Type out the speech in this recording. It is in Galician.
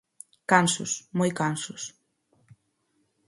Cansos, moi cansos.